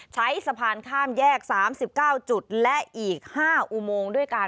ใช้สะพานข้ามแยก๓๙จุดและอีก๕อุโมงด้วยกัน